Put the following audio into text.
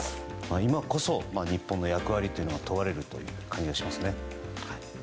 今こそ日本の役割というのが問われるという感じがしますね。